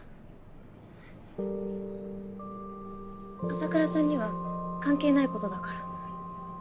麻倉さんには関係ないことだから。